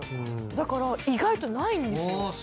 だから意外とないんですよ。